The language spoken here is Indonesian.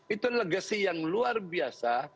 itu legacy yang luar biasa